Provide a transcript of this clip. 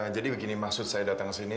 jadi begini maksud saya datang sini